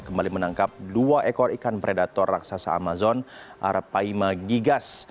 kembali menangkap dua ekor ikan predator raksasa amazon arapaima gigas